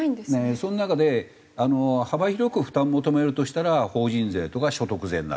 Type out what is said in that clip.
その中で幅広く負担求めるとしたら法人税とか所得税になる。